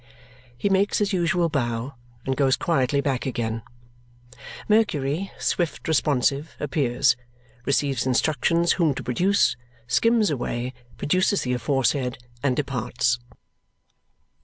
He makes his usual bow and goes quietly back again. Mercury, swift responsive, appears, receives instructions whom to produce, skims away, produces the aforesaid, and departs.